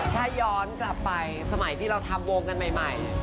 ถ้าย้อนกลับไปสมัยที่เราทำวงกันใหม่